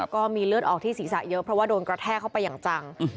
ก็มีเลือดออกที่ศีรษะเยอะเพราะว่าโดนกระแทกเข้าไปอย่างจัง